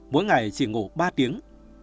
mỗi ngày chỉ ngủ ba tiếng